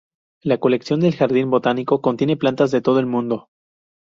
La colección del jardín botánico contiene plantas de todo el mundo.